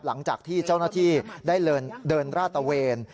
หลังจากที่เจ้าหน้าที่ได้เดินราดตะเวน